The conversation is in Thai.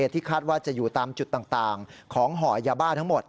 ที่คาดว่าจะอยู่ตามจุดต่างของห่อยาบ้าทั้งหมด